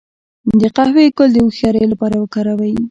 د قهوې ګل د هوښیارۍ لپاره وکاروئ